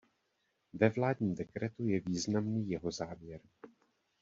Ve vládním dekretu je významný jeho závěr.